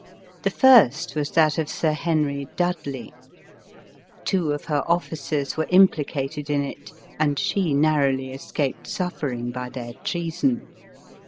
The first was that of Sir Henry Dudley ; two of her officers were implicated in it, and she narrowly escaped suffer ing by their treason.